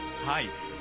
はい。